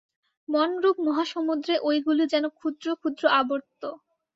মনরূপ মহাসমুদ্রে ঐগুলি যেন ক্ষুদ্র ক্ষুদ্র আবর্ত।